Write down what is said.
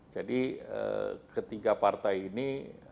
jadi ketiga partai ini